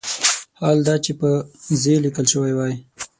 حال دا چې په "ز" لیکل شوی وای.